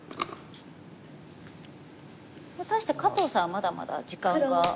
対して加藤さんはまだまだ時間が。